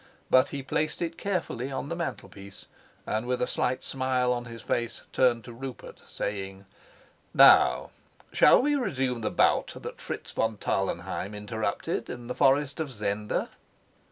But he placed it carefully on the mantelpiece, and, with a slight smile on his face, turned to Rupert, saying: "Now shall we resume the bout that Fritz von Tarlenheim interrupted in the forest of Zenda?"